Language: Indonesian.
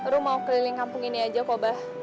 lo mau keliling kampung ini aja kok bah